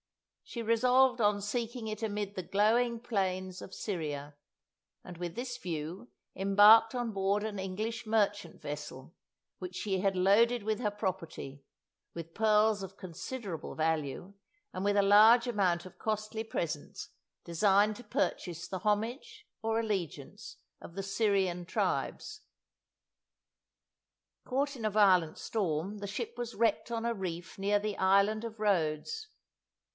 She resolved on seeking it amid the glowing plains of Syria; and with this view embarked on board an English merchant vessel, which she had loaded with her property, with pearls of considerable value, and with a large amount of costly presents designed to purchase the homage or allegiance of the Syrian tribes. Caught in a violent storm, the ship was wrecked on a reef near the island of Rhodes.